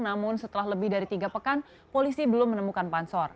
namun setelah lebih dari tiga pekan polisi belum menemukan pansor